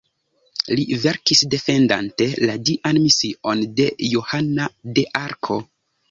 Li verkis defendante la dian mision de Johana de Arko.